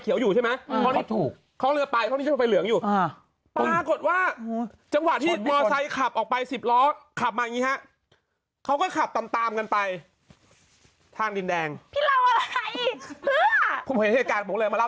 เสียวเรื่องหนึ่งมึงขับตามตามกันไปมึงเล่าทำไมก็เลยมาเล่าฮะ